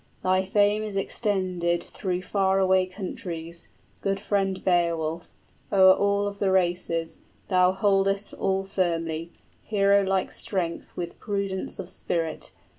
Thy fame is extended through far away countries, Good friend Beowulf, o'er all of the races, 55 Thou holdest all firmly, hero like strength with Prudence of spirit.